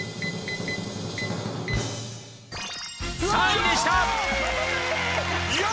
３位でしたよ